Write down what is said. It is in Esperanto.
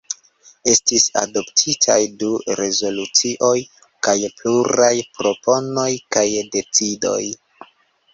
Estis adoptitaj du rezolucioj kaj pluraj proponoj kaj decidoj.